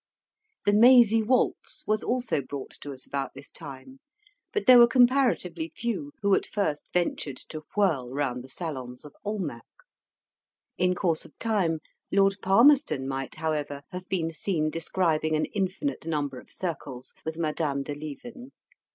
The "mazy waltz" was also brought to us about this time; but there were comparatively few who at first ventured to whirl round the salons of Almack's; in course of time Lord Palmerston might, however, have been seen describing an infinite number of circles with Madame de Lieven.